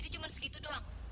tinggal di rumah itu dulu